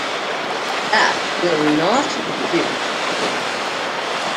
That will not do.